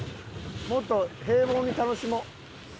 もっと平凡に楽しもう。